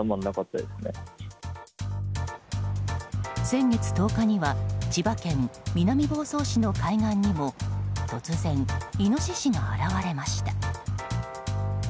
先月１０日には千葉県南房総市の海岸にも突然、イノシシが現れました。